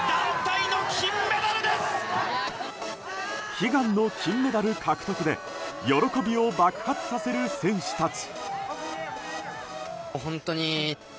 悲願の金メダル獲得で喜びを爆発させる選手たち。